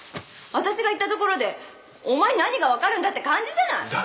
私が言ったところでお前に何がわかるんだって感じじゃない！